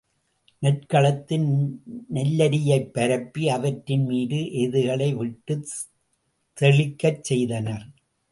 நெற்களத்தில் நெல்லரியைப் பரப்பி, அவற்றின் மீது எருதுகளை விட்டுத் தெழிக்கச் செய்தனர்.